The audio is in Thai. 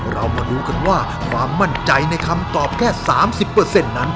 เรามาดูกันว่าความมั่นใจในคำตอบแค่๓๐นั้น